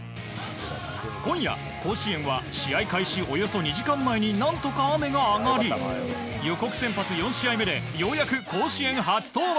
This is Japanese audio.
今夜、甲子園は試合開始２時間前に何とか雨が上がり予告先発４試合目でようやく甲子園初登板。